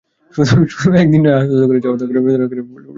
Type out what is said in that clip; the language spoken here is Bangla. শুধু একদিন এসেই আশ্বস্ত করে যাওয়া নয়, ধারাবাহিকভাবে এটা মনিটরিং করতে চাই।